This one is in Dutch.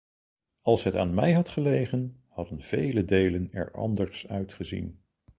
Als het aan mij had gelegen, hadden vele delen er anders uit gezien.